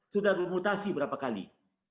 sudah bermutasi berapa kali